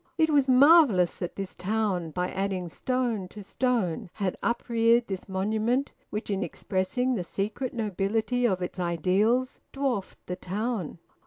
It was marvellous that this town, by adding stone to stone, had upreared this monument which, in expressing the secret nobility of its ideals, dwarfed the town.